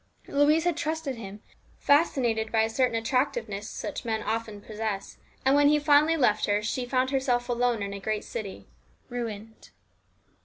Louise had trusted him, fascinated by a certain attractiveness such men often possess. And when he finally left her she found herself alone in a great city, ruined.